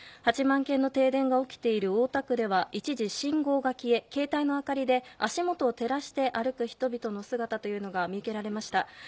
８万軒の停電が起きている大田区では一時信号が消え、携帯の明かりで足元を照らして歩く人々の姿が見受けられました。